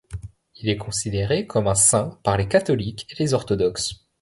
Il est considéré comme un saint par les catholiques et les orthodoxes.